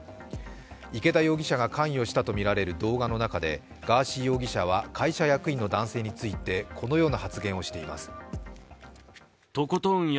池田容疑者が関与したとみられる動画の中でガーシー容疑者は会社役員の男性についてこのような発言をしています。